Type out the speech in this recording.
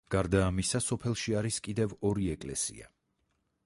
გარდა ამისა სოფელში არის კიდევ ორი ეკლესია.